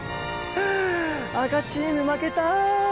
赤チーム負けた。